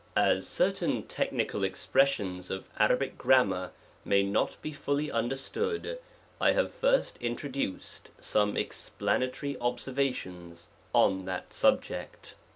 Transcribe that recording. As certain technical expressions of Arabic grammar may not be fully understood, 1 have first introduced some expla natory observations on that subject.